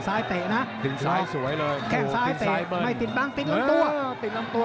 ติดซ้ายสวยเลยโอ้โหติดซ้ายเบิร์นแค่งซ้ายเตะไม่ติดบ้างติดลำตัว